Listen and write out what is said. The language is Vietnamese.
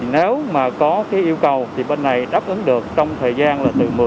nếu mà có cái yêu cầu thì bên này đáp ứng được trong thời gian là từ một mươi đến hai tuần